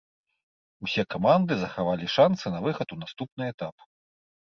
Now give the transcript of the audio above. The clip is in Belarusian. Усе каманды захавалі шанцы на выхад у наступны этап.